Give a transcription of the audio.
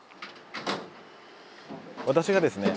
私がですね